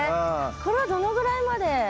これはどのぐらいまで？